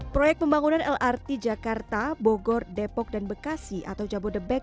proyek pembangunan lrt jakarta bogor depok dan bekasi atau jabodebek